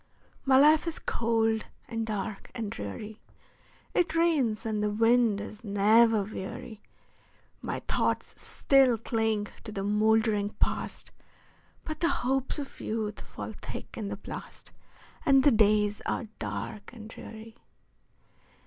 My life is cold, and dark, and dreary; It rains, and the wind is never weary; My thoughts still cling to the moldering Past, But the hopes of youth fall thick in the blast, And the days are dark and dreary.